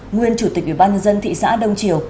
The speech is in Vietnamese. nguyên chủ tịch ủy ban nhân dân thị xã đông triều